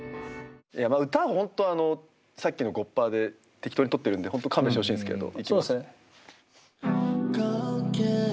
歌は本当あのさっきのゴッパーで適当に録ってるんで本当勘弁してほしいんですけど。